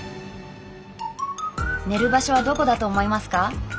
寝る場所はどこだと思いますか？